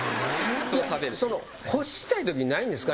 欲したいときないんですか？